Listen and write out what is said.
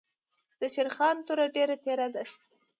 دشېرخان توره ډېره تېره ده.